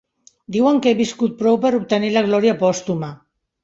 Diuen que he viscut prou per obtenir la glòria pòstuma.